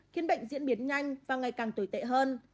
khiến bệnh diễn biến nhanh và ngày càng tồi tệ hơn